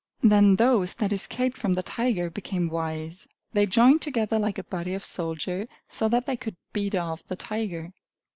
Then those that escaped from the tiger became wise; they joined together like a body of soldiers, so that they could beat off the tiger.